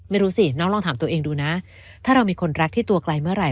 ไม่รู้สิน้องลองถามตัวเองดูนะถ้าเรามีคนรักที่ตัวไกลเมื่อไห